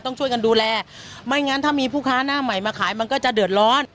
ต้องช่วยกันดูแลไม่งั้นถ้ามีผู้ค้าหน้าใหม่มาขายมันก็จะเดือดร้อน